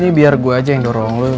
ini biar gue aja yang dorong lo